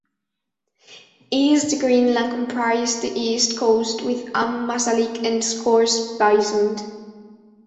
East Greenland comprised the east coast, with Ammassalik and Scoresbysund.